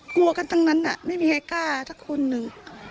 กลัวกันทั้งนั้นไม่มีใครกล้าสักคนหนึ่ง